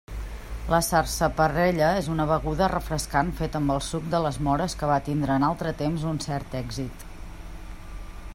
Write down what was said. La sarsaparrella és una beguda refrescant feta amb el suc de les móres que va tindre en altre temps un cert èxit.